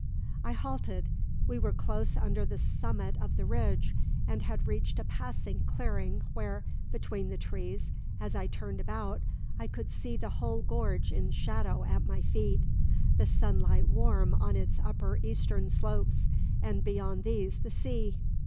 I halted. We were close under the summit of the ridge, and had reached a passing clearing where, between the trees, as I turned about, I could see the whole gorge in shadow at my feet, the sunlight warm on its upper eastern slopes, and beyond these the sea.